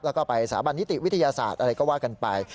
แล้วก็ไปสถาบันนิติวิทยาศาสตร์อะไรก็ว่ากันไป